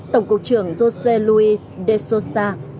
tổng cục trưởng josé luis de sousa